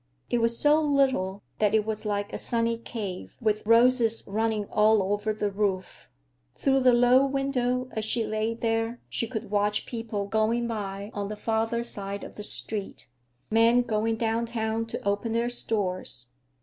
It was so little that it was like a sunny cave, with roses running all over the roof. Through the low window, as she lay there, she could watch people going by on the farther side of the street; men, going downtown to open their stores.